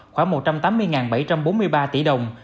khoảng một trăm tám mươi bảy trăm bốn mươi ba tỷ đồng